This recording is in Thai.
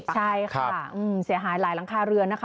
ใช่ค่ะเสียหายหลายหลังคาเรือนนะคะ